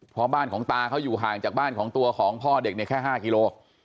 เพราะบ้านของตาเขาอยู่ห่างจากบ้านของตัวของพ่อเด็กเนี่ยแค่๕กิโล